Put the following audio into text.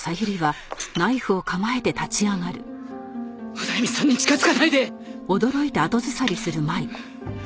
オダエミさんに近づかないで！